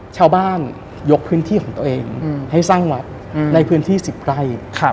ชาวบ้านยกพื้นที่ของตัวเองให้สร้างวัดในพื้นที่๑๐ไร่